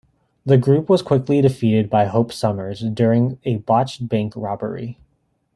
The group was quickly defeated by Hope Summers during a botched bank robbery.